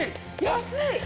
安い！